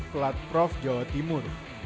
pelat prof jawa timur